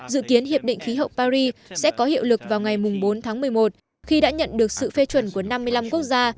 dự kiến hiệp định khí hậu paris sẽ có hiệu lực vào ngày bốn tháng một mươi một khi đã nhận được sự phê chuẩn của năm mươi năm quốc gia